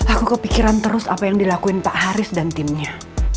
aku kepikiran terus apa yang dilakuin pak haris dan timnya